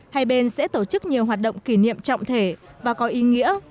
hai bên sẽ tổ chức nhiều hoạt động kỷ niệm trọng thể và có ý nghĩa